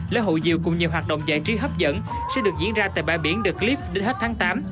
lễ hội diều cùng nhiều hoạt động giải trí hấp dẫn sẽ được diễn ra tại bãi biển de clip đến hết tháng tám